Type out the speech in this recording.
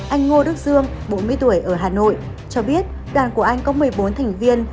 anh ngô đức dương bốn mươi tuổi ở hà nội cho biết đoàn của anh có một mươi bốn thành viên